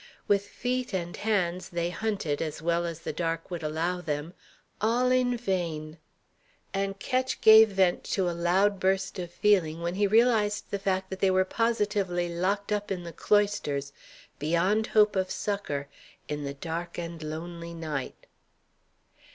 With feet and hands they hunted as well as the dark would allow them; all in vain; and Ketch gave vent to a loud burst of feeling when he realized the fact that they were positively locked up in the cloisters, beyond hope of succour, in the dark and lonely night.